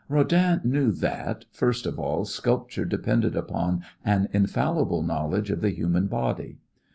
Rodin knew that, first of all, sculpture depended upon an infallible knowledge of the human body.